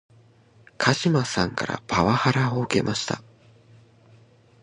鹿島さんからパワハラを受けました